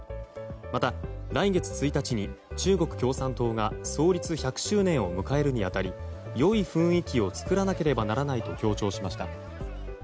また、来月１日に中国共産党が創立１００周年を迎えるに当たり、良い雰囲気を作らなければならないと強調しました。